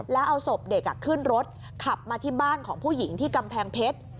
แล้วเอาศพเด็กขึ้นรถขับมาที่บ้านของผู้หญิงที่กำแพงเพชร